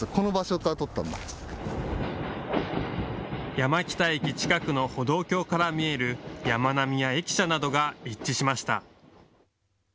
山北駅近くの歩道橋から見える山並みや駅舎などが一致しました。